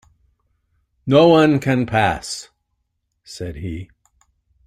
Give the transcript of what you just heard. "No one can pass," said he.